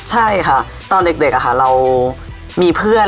ใช่ค่ะตอนเด็กเรามีเพื่อน